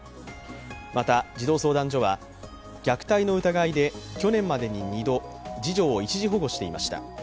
また、児童相談所は、虐待の疑いで去年までに２度、次女を一時保護していました。